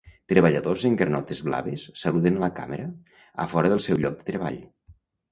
Treballadors en granotes blaves saluden a la càmera a fora del seu lloc de treball.